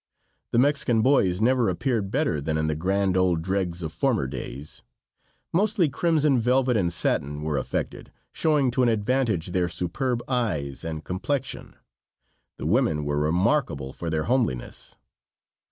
The Mexican boys never appeared better than in the grand old dregs of former days. Mostly crimson velvet and satin were affected, showing to an advantage their superb eyes and complexion. The women were remarkable for their homeliness.